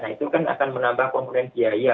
nah itu kan akan menambah komponen biaya